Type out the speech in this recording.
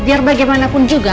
biar bagaimanapun juga